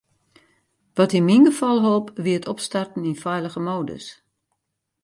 Wat yn myn gefal holp, wie it opstarten yn feilige modus.